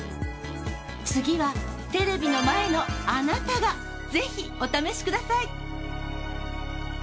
次はテレビの前のあなたがぜひお試しください。